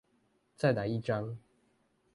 再來一張